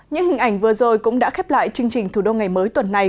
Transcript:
những hình ảnh vừa rồi cũng đã khép lại chương trình thủ đô ngày mới tuần này